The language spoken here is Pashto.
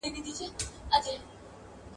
اوس چه ژوند پر انتها دئ.